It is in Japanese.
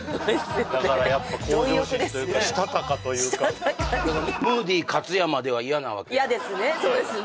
だからやっぱ向上心というかしたたかというかしたたかムーディ勝山では嫌なわけだそうですね